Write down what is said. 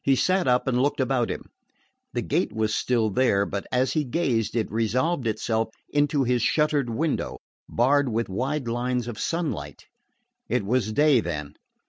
He sat up and looked about him. The gate was still there; but as he gazed it resolved itself into his shuttered window, barred with wide lines of sunlight. It was day, then!